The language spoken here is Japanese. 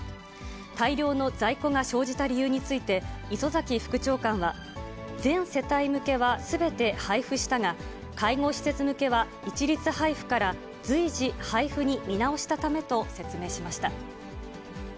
大量の在庫が生じた理由について、磯崎副長官は、全世帯向けはすべて配布したが、介護施設向けは一律配布から随時配布に見直したためと説明しました。